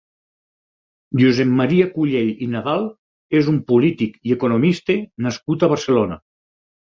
Josep Maria Cullell i Nadal és un polític i economista nascut a Barcelona.